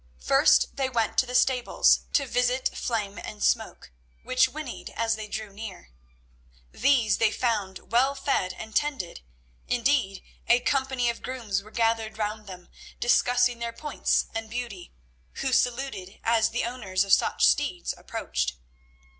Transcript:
First they went to the stables to visit Flame and Smoke, which whinnied as they drew near. These they found well fed and tended—indeed, a company of grooms were gathered round them, discussing their points and beauty, who saluted as the owners of such steeds approached.